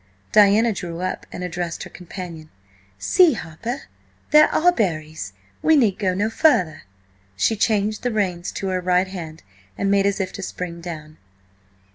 Diana drew up and addressed her companion. "See, Harper–there are berries! We need go no further." She changed the reins to her right hand and made as if to spring down.